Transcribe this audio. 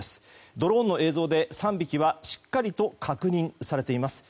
ドローンの映像で３匹はしっかりと確認されています。